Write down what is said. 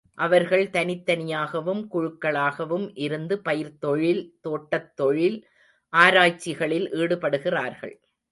அவர்கள் தனித்தனியாகவும், குழுக்களாகவும் இருந்து, பயிர்த்தொழில், தோட்டத் தொழில் ஆராய்ச்சிகளில் ஈடுபடுகிறார்கள்.